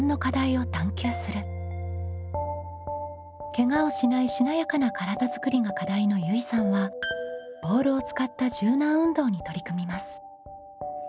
「ケガをしないしなやかな体づくり」が課題のゆいさんはボールを使った柔軟運動に取り組みます。